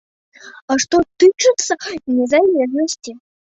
А што тычыцца незалежнасці?